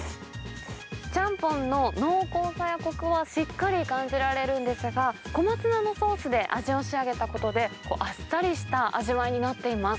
ちゃんぽんの濃厚さやこくはしっかり感じられるんですが、小松菜のソースで味を仕上げたことで、あっさりした味わいになっています。